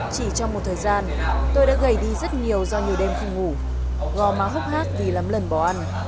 chỉ trong một thời gian tôi đã gầy đi rất nhiều do nhiều đêm không ngủ gò má hốc nát vì lắm lần bỏ ăn